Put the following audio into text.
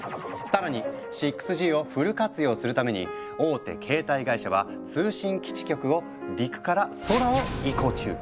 さらに６Ｇをフル活用するために大手携帯会社は通信基地局を陸から空を移行中。